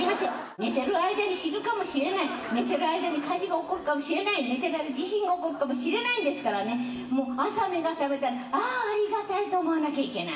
寝てる間に死ぬかもしれない、寝てる間に火事が起こるかもしれない、寝てる間に地震が起こるかもしれないんですからね、もう朝目が覚めたら、ああ、ありがたいと思わなきゃいけない。